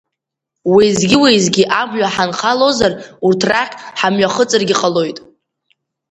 Уеизгьы-уеизгьы амҩа ҳанхалозар, урҭ рахь ҳамҩахыҵыргьы ҟалоит!